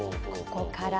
ここから。